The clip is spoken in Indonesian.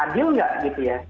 adil gak gitu ya